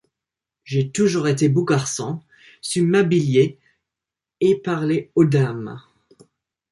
J'ai toujours été beau garçon, su m'habiller et parler aux dames.